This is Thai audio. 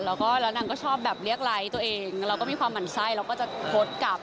แล้วก็แล้วนางก็ชอบแบบเรียกไลค์ตัวเองแล้วก็มีความหมั่นไส้เราก็จะโพสต์กลับ